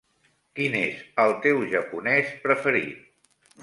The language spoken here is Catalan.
Quin és el teu japonès preferit?